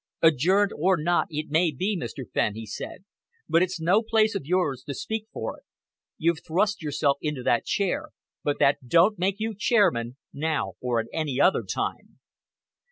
"Adjourned or not it may be, Mr. Fenn," he said, "but it's no place of yours to speak for it. You've thrust yourself into that chair, but that don't make you chairman, now or at any other time."